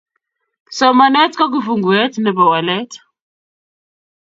Somanet ko kifunguet nebo walet